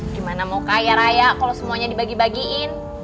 gimana mau kaya raya kalau semuanya dibagi bagiin